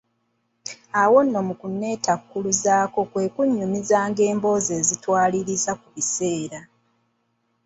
Awo nno mu kunnetakkuluzaako kwe kunnyumizanga emboozi ezitwaliriza ku biseera.